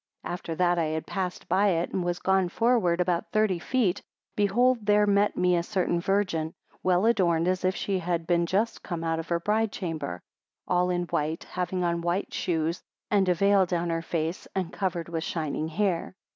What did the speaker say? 14 After that I had passed by it, and was gone forward about thirty feet, behold there met me a certain virgin, well adorned as if she had been just come out of her bride chamber; all in white, having on white shoes, and a veil down her face, and covered with shining hair.